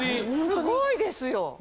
すごいですよ。